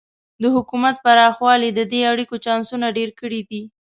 د حکومت پراخوالی د دې اړیکو چانسونه ډېر کړي دي.